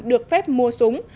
được phép mua súng